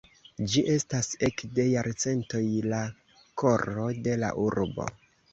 Ĝi estas ekde jarcentoj la koro de la urbo.